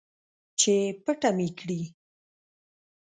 چې پټه مې کړي